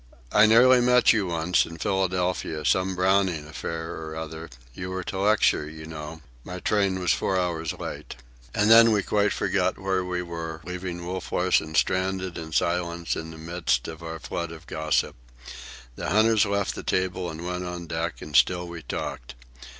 "I nearly met you, once, in Philadelphia, some Browning affair or other—you were to lecture, you know. My train was four hours late." And then we quite forgot where we were, leaving Wolf Larsen stranded and silent in the midst of our flood of gossip. The hunters left the table and went on deck, and still we talked.